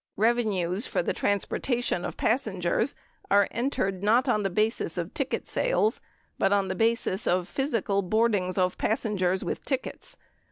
Revenues for the transportation of passen gers are entered not on the basis of ticket sales, but on the basis of physical boardings of passengers with tickets.